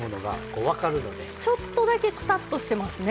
ちょっとだけくたっとしてますね。